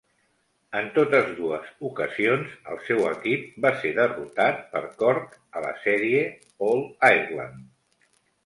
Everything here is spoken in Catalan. En totes dues ocasions el seu equip va ser derrotat per Cork a la sèrie All-Ireland.